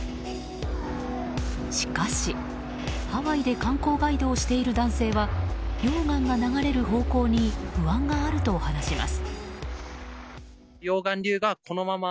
しかし、ハワイで観光ガイドをしている男性は溶岩が流れる方向に不安があると話します。